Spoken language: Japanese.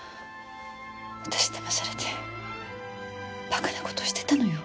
私だまされて馬鹿な事してたのよ。